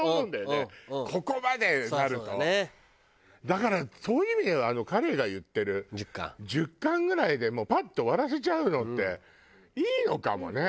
だからそういう意味では彼が言ってる１０巻ぐらいでパッて終わらせちゃうのっていいのかもね。